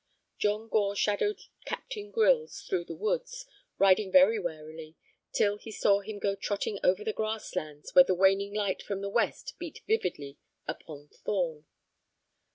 John Gore shadowed Captain Grylls through the woods, riding very warily till he saw him go trotting over the grass lands where the waning light from the west beat vividly upon Thorn.